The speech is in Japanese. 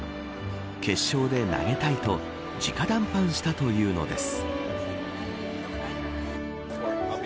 決勝で投げたいと直談判したというのです。